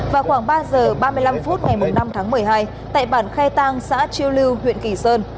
vào khoảng ba giờ ba mươi năm phút ngày năm tháng một mươi hai tại bản khe tang xã chiêu lưu huyện kỳ sơn